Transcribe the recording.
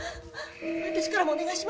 私からもお願いします。